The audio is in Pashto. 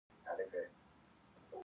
د سولې او پرمختګ لپاره.